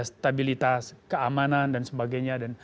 stabilitas keamanan dan sebagainya